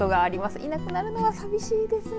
いなくなるのは寂しいですね。